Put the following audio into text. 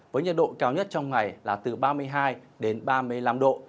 với nhiệt độ cao nhất trong ngày là từ ba mươi hai đến ba mươi năm độ